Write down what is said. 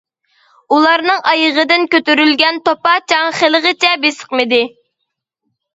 ئۇلارنىڭ ئايىغىدىن كۆتۈرۈلگەن توپا-چاڭ خېلىغىچە بېسىقمىدى.